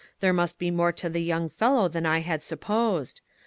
There must be more to the young fellow than I had supposed.